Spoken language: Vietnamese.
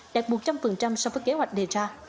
đạt một trăm linh so với kế hoạch đề ra